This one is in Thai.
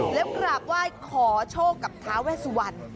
แล้วกราบไหว้ขอโชคกับท้าเวสวัน